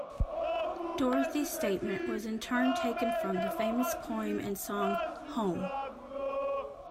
Dorothy's statement was in turn taken from the famous poem and song Home!